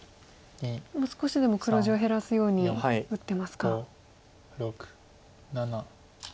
もう少しでも黒地を減らすように打ってますか。